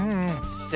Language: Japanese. して。